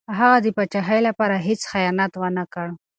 هغه د پاچاهۍ لپاره هېڅ خیانت ونه کړ.